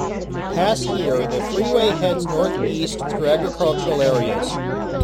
Past here, the freeway heads northeast through agricultural areas.